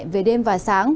về đêm và sáng